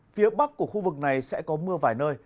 phía bắc của khu vực này sẽ có mưa vài nơi